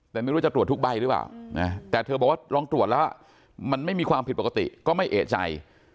แต่ไม่รู้จะตรวจทุกใบหรือเปล่าแต่เธอบอกว่าลองตรวจแล้วมันไม่มีความผิดปกติก็ไม่เอกใจ